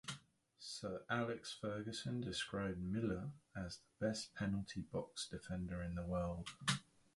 Sir Alex Ferguson described Miller as "the best penalty box defender in the world".